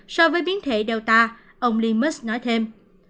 so với biến thể delta ông lee musk nói thêm